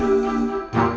terima kasih pak